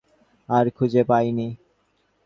আর খুঁজে পাইনি।